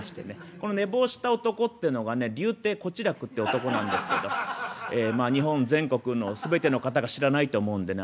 この寝坊した男ってのがね柳亭小痴楽って男なんですけどえまあ日本全国の全ての方が知らないと思うんでね